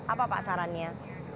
apa pak sarannya